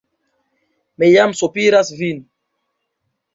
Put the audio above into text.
Mi jam sopiras vin.